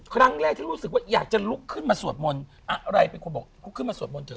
ครั้งแรกที่รู้สึกว่าอยากจะลุกขึ้นมาสวดมนต์อะไรเป็นคนบอกลุกขึ้นมาสวดมนตเถ